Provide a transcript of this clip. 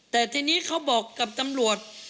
แต่ทีนี้เขาบอกกับตำรวจ